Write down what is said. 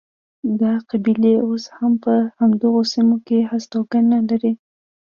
دا قبیلې اوس هم په همدغو سیمو کې هستوګنه لري.